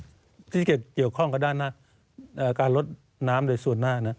มันเป็นน้ำผุดจากท่ามบริเวณที่เกี่ยวกับข้องกับด้านหน้าการลดน้ำในส่วนหน้า